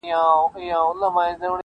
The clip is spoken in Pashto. ږغ اوچت کړی دی -